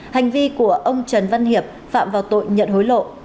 hành vi của ông trần văn hiệp phạm vào tội nhận hối lộ